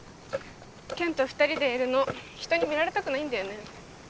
健と２人でいるの人に見られたくないんだよね